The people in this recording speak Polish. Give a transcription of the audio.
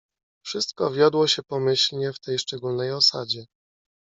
"Wszystko wiodło się pomyślnie w tej szczególnej osadzie."